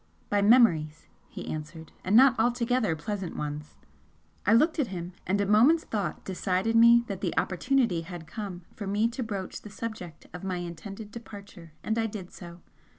"By memories," he answered "And not altogether pleasant ones!" I looked at him, and a moment's thought decided me that the opportunity had come for me to broach the subject of my intended departure, and I did so.